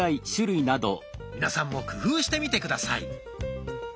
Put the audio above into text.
皆さんも工夫してみて下さい。